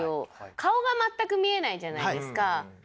顔が全く見えないじゃないですか。